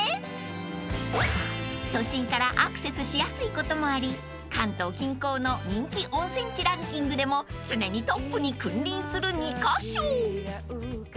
［都心からアクセスしやすいこともあり関東近郊の人気温泉地ランキングでも常にトップに君臨する２カ所］